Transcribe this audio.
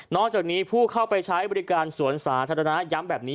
จากนี้ผู้เข้าไปใช้บริการสวนสาธารณะย้ำแบบนี้